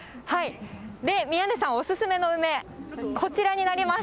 宮根さん、お勧めの梅、こちらになります。